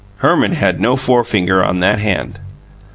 Herman had no forefinger on that hand.